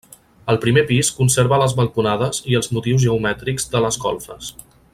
Al primer pis conserva les balconades i els motius geomètrics de les golfes.